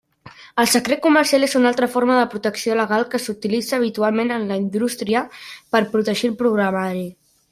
El secret comercial és una altra forma de protecció legal que s'utilitza habitualment en la indústria per protegir el programari.